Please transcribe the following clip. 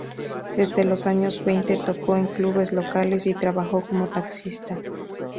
Desde los años veinte tocó en clubes locales y trabajó como taxista.